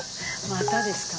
またですか？